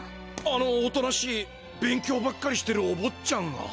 あのおとなしい勉強ばっかりしてるおぼっちゃんが？